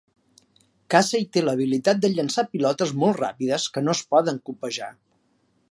Casey té l'habilitat de llançar pilotes molt ràpides que no es poden copejar.